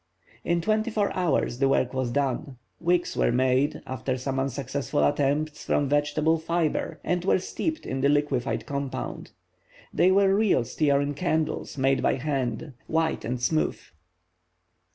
In twenty four hours the work was done. Wicks were made, after some unsuccessful attempts, from vegetable fibre, and were steeped in the liquified compound. They were real stearine candles, made by hand, white and smooth.